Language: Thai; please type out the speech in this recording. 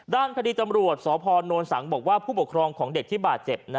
ด้านคดีตำรวจสพนสังบอกว่าผู้ปกครองของเด็กที่บาดเจ็บ